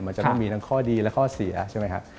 มันจะต้องมีทั้งข้อดีและข้อเสียใช่ไหมครับ